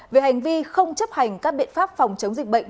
về hành vi không chấp hành các biện pháp phòng chống dịch bệnh